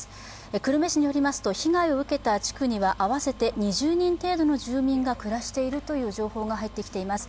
久留米市によりますと、被害を受けた地区には合わせて２０人程度の住人が暮らしているという情報が入ってきています。